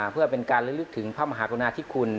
เพื่อเป็นการระลึกถึงพระมหากรุณาธิคุณ